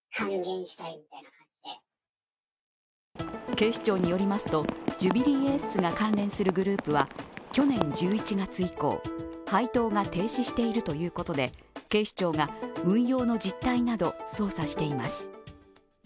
警視庁によりますとジュビリーエースが関連するグループは去年１１月以降、配当が停止しているということで警視庁が運用の実態など捜査しています。